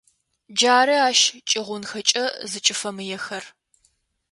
Джары ащ кӏыгъунхэкӏэ зыкӏыфэмыехэр.